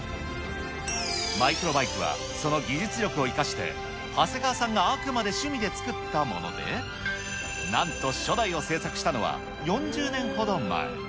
マイクロバイクはその技術力を生かして、長谷川さんがあくまで趣味で作ったもので、なんと初代を製作したのは、４０年ほど前。